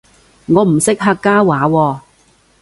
我唔識客家話喎